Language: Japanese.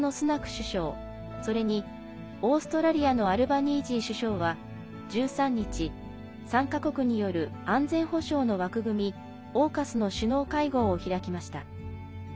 首相それにオーストラリアのアルバニージー首相は１３日３か国による安全保障の枠組みＡＵＫＵＳの首脳会合を開きました。